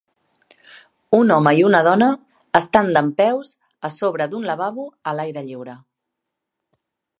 Un home i una dona estan dempeus a sobre d'un lavabo a l'aire lliure.